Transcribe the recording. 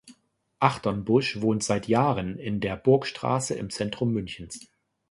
Achternbusch wohnt seit Jahren in der Burgstraße im Zentrum Münchens.